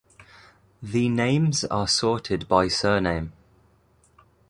The names are sorted by surname.